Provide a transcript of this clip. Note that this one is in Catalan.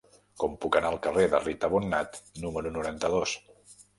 Com puc anar al carrer de Rita Bonnat número noranta-dos?